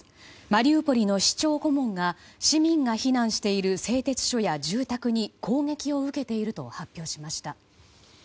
マリウポリの市長顧問が市民が避難している製鉄所や住宅に攻撃を受けていると発表しました。